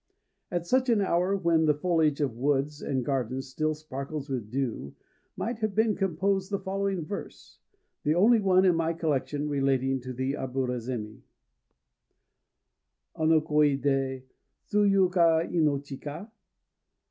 At such an hour, when the foliage of woods and gardens still sparkles with dew, might have been composed the following verse, the only one in my collection relating to the aburazémi: Ano koë dé Tsuyu ga inochi ka?